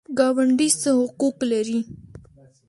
ګاونډي څه حقوق لري؟